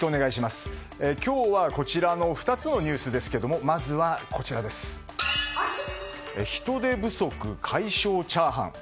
今日はこちらの２つのニュースですがまずは、人手不足解消チャーハン。